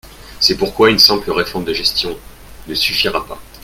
C’est pourquoi une simple réforme de gestion ne suffira pas.